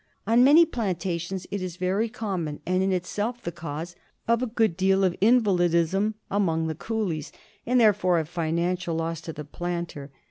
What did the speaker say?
On many plantations it is very common and is itself the cause of a good deal of invalidism among the coolies, and therefore of financial loss to the planter.